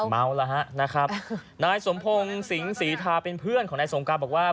เมาแล้วฮะนะครับนายสมพงศ์สิงศรีทาเป็นเพื่อนของนายสงการบอกว่า